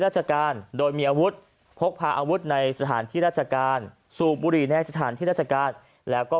ราชการโดยมีอาวุธพกพาอาวุธในสถานที่ราชการสูบบุหรี่ในสถานที่ราชการแล้วก็